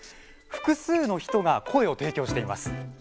複数の人が声を提供しています。